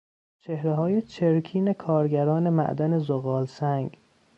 چهرههای چرکین کارگران معدن زغالسنگ